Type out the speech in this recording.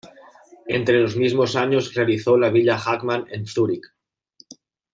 Entre los mismos años realizó la villa Hagman en Zúrich.